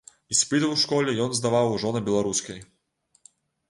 Іспыты ў школе ён здаваў ужо на беларускай.